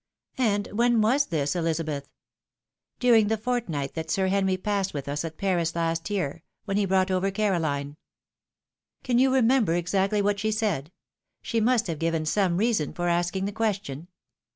"And when was this, Ehzabeth? "" Duriag the fortnight that Sir Henry passed with us at Paris last year, when he brought over Carohne." " Can you remember exactly what she said ? She must have given some reason for asking the question."